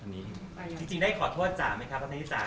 ที่จริงได้ขอโทษจ๋าไหมครับท่านท่านพี่จ๋า